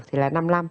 thì là năm mươi năm